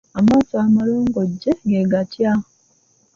Amaaso amalongojje ge gatya?